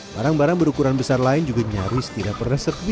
barang barang berukuran besar lain juga nyaris tidak pernah sepi